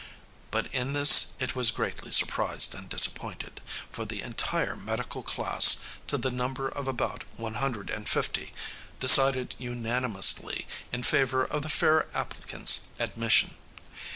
"But in this it was greatly surprised and disappointed. For the entire medical class, to the number of about one hundred and fifty, decided unanimously in favor of the fair applicant's admission.